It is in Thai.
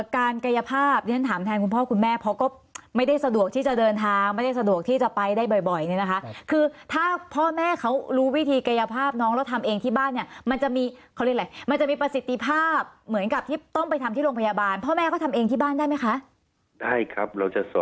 กายภาพที่ฉันถามแทนคุณพ่อคุณแม่เขาก็ไม่ได้สะดวกที่จะเดินทางไม่ได้สะดวกที่จะไปได้บ่อยเนี่ยนะคะคือถ้าพ่อแม่เขารู้วิธีกายภาพน้องแล้วทำเองที่บ้านเนี่ยมันจะมีเขาเรียกอะไรมันจะมีประสิทธิภาพเหมือนกับที่ต้องไปทำที่โรงพยาบาลพ่อแม่เขาทำเองที่บ้านได้ไหมคะได้ครับ